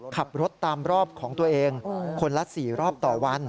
ขับรถตามรอบของตัวเองคนละ๔รอบต่อวัน